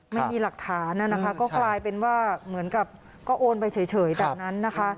ไม่มีหลักฐานนะคะก็กลายเป็นว่าเหมือนกับก็โอนไปเฉยแบบนั้นนะคะ